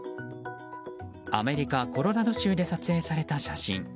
アメリカ・コロラド州で撮影された写真。